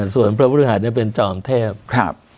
ส่วนพระพุทธเป็นจอมเทพ